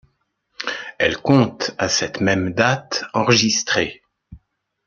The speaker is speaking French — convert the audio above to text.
Elle compte à cette même date enregistrés.